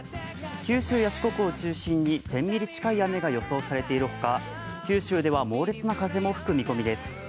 九州や四国を中心に１０００ミリ近い雨が予想されているほか、九州では猛烈な風も吹く見込みです。